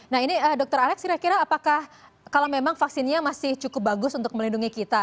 nah ini dokter alex kira kira apakah kalau memang vaksinnya masih cukup bagus untuk melindungi kita